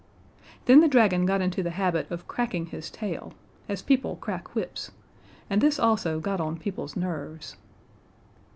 Then the dragon got into the habit of cracking his tail, as people crack whips, and this also got on people's nerves.